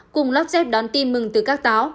cùng lót dép đón tin mừng từ các táo